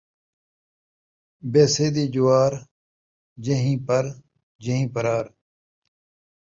بیسے دی جوار، جہیں پر، جہیں پرار